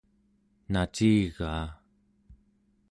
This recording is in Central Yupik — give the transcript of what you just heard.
nacigaa